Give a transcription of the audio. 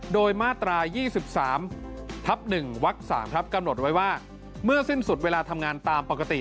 โดยมาตรา๒๓ทับ๑วัก๓ครับกำหนดไว้ว่าเมื่อสิ้นสุดเวลาทำงานตามปกติ